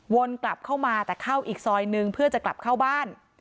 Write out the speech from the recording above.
วนกลับเข้ามาแต่เข้าอีกซอยนึงเพื่อจะกลับเข้าบ้าน